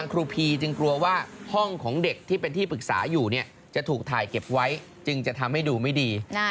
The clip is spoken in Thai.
ครูพีจึงกลัวว่าห้องของเด็กที่เป็นที่ปรึกษาอยู่จะถูกถ่ายเก็บไว้จึงจะทำให้ดูไม่ดี